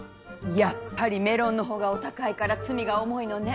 やっぱりメロンのほうがお高いから罪が重いのね。